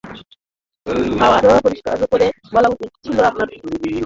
আরোও পরিষ্কার করে বলা উচিত ছিল আপনার!